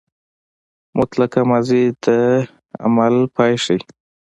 مطلقه ماضي د عمل پای ښيي.